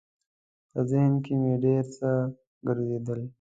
په ذهن کې مې ډېر څه ګرځېدل.